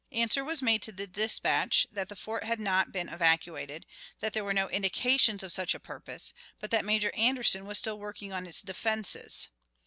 Answer was made to this dispatch, that the fort had not been evacuated, that there were no indications of such a purpose, but that Major Anderson was still working on its defenses.